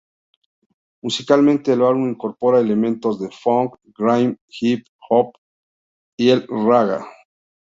Musicalmente, el álbum incorpora elementos de "funk", "grime", "hip hop" y el "ragga".